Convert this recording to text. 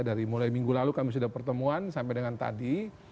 dari mulai minggu lalu kami sudah pertemuan sampai dengan tadi